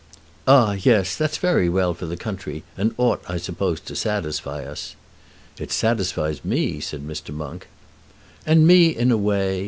"Ah, yes. That's very well for the country, and ought, I suppose, to satisfy us." "It satisfies me," said Mr. Monk. "And me, in a way.